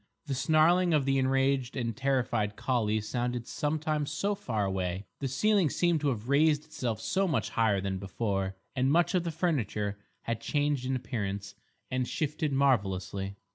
The snarling of the enraged and terrified collie sounded sometimes so far away; the ceiling seemed to have raised itself so much higher than before, and much of the furniture had changed in appearance and shifted marvellously.